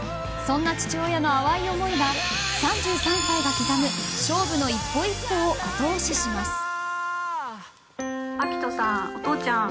そんな父親の淡い思いが３３歳が刻む勝負の一歩一歩を後押しします。